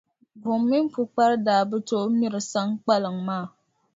Buŋa mini Pukpara daa bi tooi miri Saŋkpaliŋ maa.